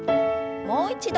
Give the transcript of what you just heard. もう一度。